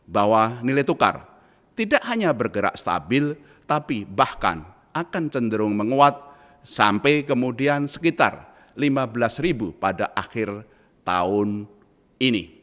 bahwa nilai tukar tidak hanya bergerak stabil tapi bahkan akan cenderung menguat sampai kemudian sekitar lima belas ribu pada akhir tahun ini